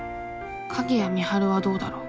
鍵谷美晴はどうだろう？